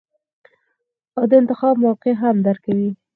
او د انتخاب موقع هم درکوي -